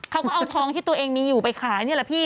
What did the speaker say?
เขาก็เอาทองที่ตัวเองมีอยู่ไปขายนี่แหละพี่